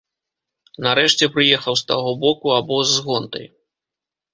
Нарэшце прыехаў з таго боку абоз з гонтай.